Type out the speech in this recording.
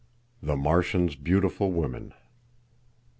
The Martians' Beautiful Women.